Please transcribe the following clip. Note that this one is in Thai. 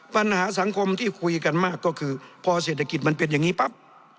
ปัญหาสังคมที่คุยกันมากก็คือพอเศรษฐกิจมันเป็นอย่างนี้ปั๊บ